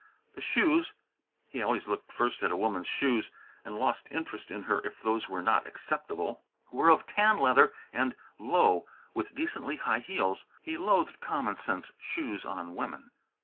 The shoes he always looked first at a woman's shoes and lost interest in her if those were not acceptable were of tan leather and low, with decently high heels. (He loathed common sense shoes on women.)